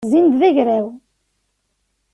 Zzin-d d agraw.